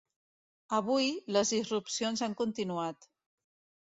Avui, les disrupcions han continuat.